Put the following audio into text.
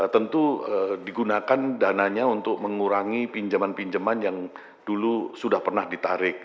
tentu digunakan dananya untuk mengurangi pinjaman pinjaman yang dulu sudah pernah ditarik